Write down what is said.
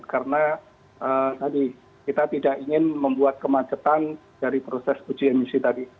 karena tadi kita tidak ingin membuat kemacetan dari proses uji emisi tadi